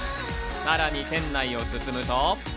さらに店内を進むと。